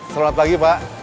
selamat pagi pak